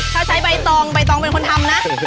ถ้าใช้ใบตองใบตองเป็นคนทำนะ